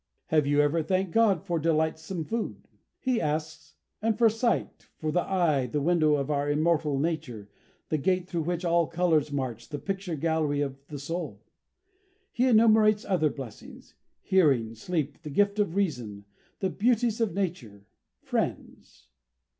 "Have you ever thanked God for delightsome food?" he asks; and for sight for "the eye, the window of our immortal nature, the gate through which all colours march, the picture gallery of the soul?" He enumerates other blessings hearing, sleep, the gift of reason, the beauties of nature, friends.